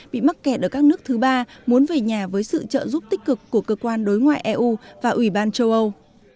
bị mắc kẹt ở các nước thứ ba muốn về nhà với sự trợ giúp tích cực của cơ quan đối ngoại eu và ủy ban châu âu